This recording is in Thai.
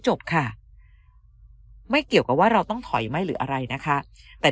จบค่ะไม่เกี่ยวกับว่าเราต้องถอยไม่หรืออะไรนะคะแต่